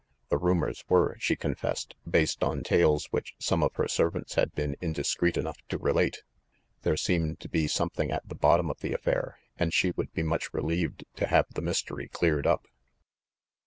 The rumors were, she confessed, based on tales which some of her servants had been indiscreet enough to relate. There seemed to THE FANSHAWE GHOST 69 be something at the bottom of the affair, and sEe would be much relieved to have the mystery cleared up.